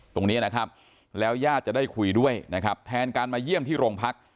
ตรงนี้นะครับแล้วญาติจะได้คุยด้วยนะครับแทนการมาเยี่ยมที่โรงพัก